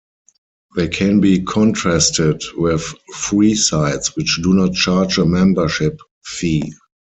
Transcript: They can be contrasted with "free-sites", which do not charge a membership fee.